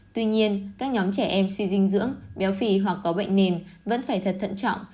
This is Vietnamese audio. tuy nhiên các nhóm trẻ em suy dinh dưỡng béo phì hoặc có bệnh nền vẫn phải thật thận trọng